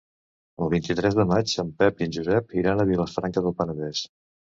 El vint-i-tres de maig en Pep i en Josep iran a Vilafranca del Penedès.